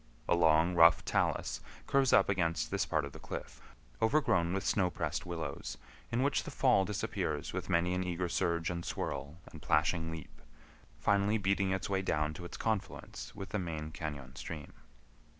A long rough talus curves up against this part of the cliff, overgrown with snow pressed willows, in which the fall disappears with many an eager surge and swirl and plashing leap, finally beating its way down to its confluence with the main cañon stream.